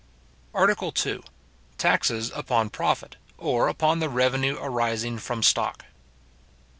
ARTICLE II.—Taxes upon Profit, or upon the Revenue arising from Stock.